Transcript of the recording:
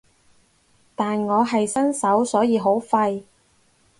但我係新手所以好廢